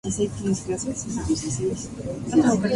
Estaban por delante de Jan Magnussen, Shinji Nakano, Hill y Alesi.